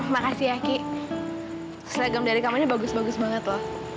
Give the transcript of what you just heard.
makasih ya ki seragam dari kamarnya bagus bagus banget loh